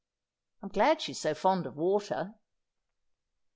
I'm glad she's so fond of water.'